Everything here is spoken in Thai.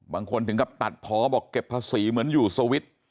ถึงกับตัดพอบอกเก็บภาษีเหมือนอยู่สวิตช์